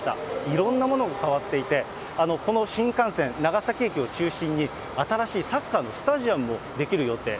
いろんなものが変わっていて、この新幹線、長崎駅を中心に、新しいサッカーのスタジアムも出来る予定。